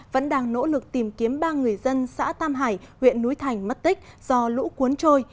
vẫn đang nỗ lực tìm kiếm ba người dân xã tam hải huyện núi thành mất tích do lũ cuốn trôi